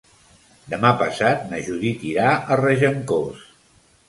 Demà passat na Judit irà a Regencós.